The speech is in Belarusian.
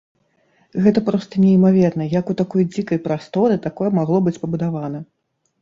Гэта проста неймаверна, як у такой дзікай прасторы такое магло быць пабудавана.